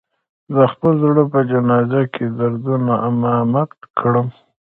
د خپل زړه په جنازه کې د دردونو امامت کړم